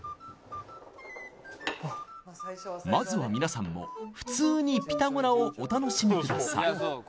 まずはみなさんも普通にピタゴラをお楽しみください